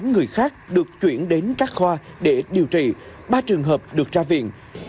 tám người khác được chuyển đến các khoa để điều trị ba trường hợp được ra viện